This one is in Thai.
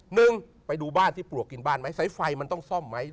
หนึ่งไปดูบ้านที่ปลวกกินบ้านไหมสายไฟมันต้องซ่อมไหม